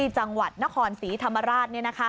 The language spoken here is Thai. จังหวัดนครศรีธรรมราช